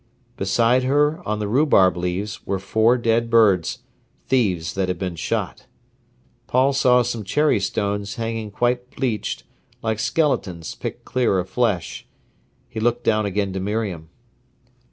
Beside her, on the rhubarb leaves, were four dead birds, thieves that had been shot. Paul saw some cherry stones hanging quite bleached, like skeletons, picked clear of flesh. He looked down again to Miriam.